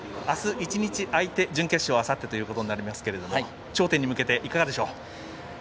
あす１日空いて準決勝、あさってということになりますけれども頂点に向けていかがでしょう？